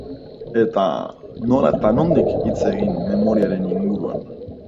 Eta, nola eta nondik hitz egin memoriaren inguruan?